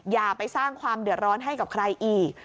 อย่าไปสร้างความเดือดร้อนให้กับใครอีก